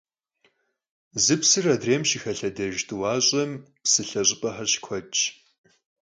Zı psır adrêym şıxelhedejj t'uaş'em psılhe ş'ıp'exer şıkuedş.